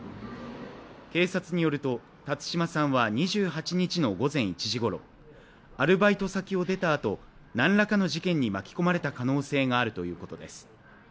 警察によると、辰島さんは２８日の午前１時ごろアルバイト先を出たあとなんらかの事件に巻き込まれた可能性があるということです。